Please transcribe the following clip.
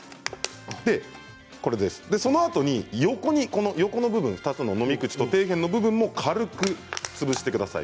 そのあとに横の部分２つの飲み口と底辺の部分も軽く潰してください。